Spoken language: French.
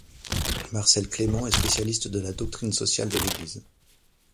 Marcel Clément est spécialiste de la doctrine sociale de l'Église.